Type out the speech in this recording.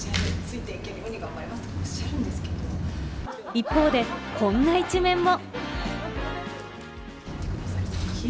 一方で、こんな一面も。